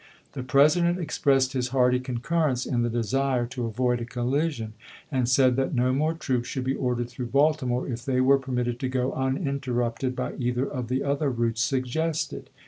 The President ex pressed his hearty concurrence in the desu'e to avoid a collision, and said that no more troops should be ordered through Baltimore if they were permitted to go uninterrupted by either of the other routes suggested.